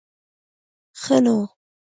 ښه نو.